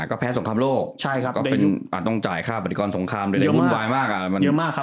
ก็แพ้สงครามโลกก็เป็นอาจต้องจ่ายค่าปฏิกรสงครามโดยอะไรวุ่นวายมาก